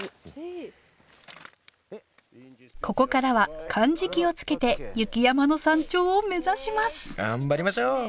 ここからはかんじきをつけて雪山の山頂を目指します頑張りましょう！